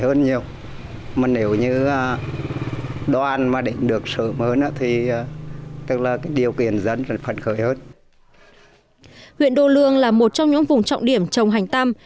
huyện đô lương là một trong những vùng trọng điểm trồng hành tam